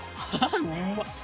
うまっ！